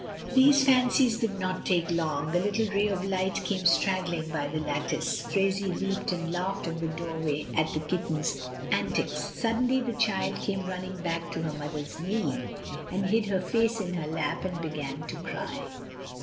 These fancies did not take long, a little ray of light came straggling by the lattice. Phraisie leaped and laughed in the doorway at the kitten's antics; suddenly the child came running back to her mother's knee, and hid her face in her lap and began to cry.